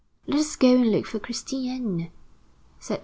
"Let us go and look for Christiane," said Gontran.